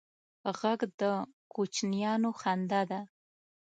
غږ د کوچنیانو خندا ده